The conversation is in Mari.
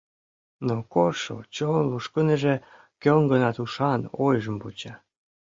Но коржшо чон лушкынеже, кӧн-гынат ушан ойжым вуча.